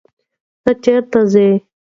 ته چیرته ځې.